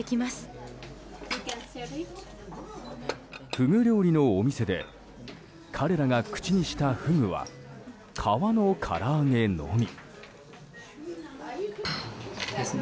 フグ料理のお店で彼らが口にしたフグは皮のから揚げのみ。